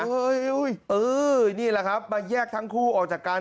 เฮ้ยเฮ้ยนี่แหละครับมาแยกทั้งคู่ออกจากการ